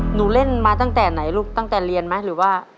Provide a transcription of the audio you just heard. เล่นมาตั้งแต่ไหนลูกตั้งแต่เรียนไหมหรือว่า